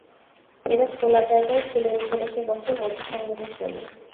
এরা খোলা জায়গায় ফুলের উপর এসে বসে মধু সংগ্রহের জন্য।